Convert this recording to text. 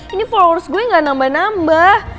ini followers gue ga nambah nambah